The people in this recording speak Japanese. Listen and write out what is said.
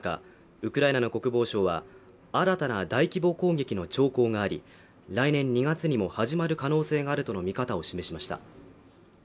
ウクライナの国防相は新たな大規模攻撃の兆候があり来年２月にも始まる可能性があるとの見方を示しました